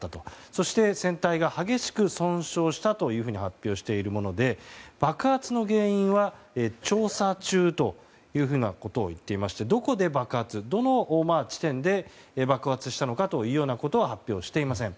そして船体が激しく損傷したと発表しているもので爆発の原因は調査中と言っていましてどこで爆発、どの地点で爆発したのかということは発表していません。